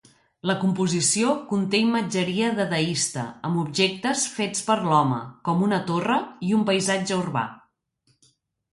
La composició conté imatgeria dadaista amb objectes fets per l"home, com una torre i un paisatge urbà.